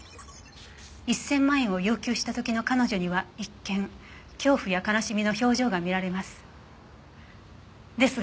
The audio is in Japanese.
１０００万円を要求した時の彼女には一見恐怖や悲しみの表情が見られます。